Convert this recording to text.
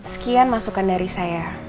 sekian masukan dari saya